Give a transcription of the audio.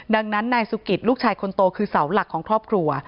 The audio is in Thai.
ดังนั้นนายสุกิตลูกชายคนโตคือเสาหลักของครอบครัว